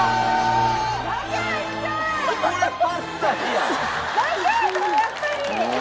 やっぱり！